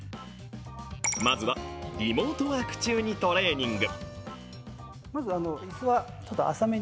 まずはリモートワーク中にトレーニング。